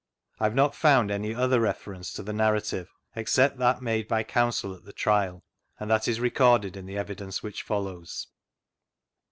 I have not found any other reference to the narrative except that made by Counsel at the Trial, and that is recorded in the Evidence which fcdlows.